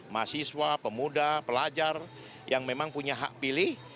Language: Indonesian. mahasiswa pemuda pelajar yang memang punya hak pilih